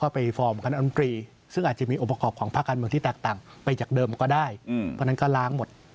เพราะฉะนั้นก็ล้างหมด